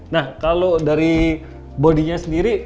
nah kalau dari bodinya sendiri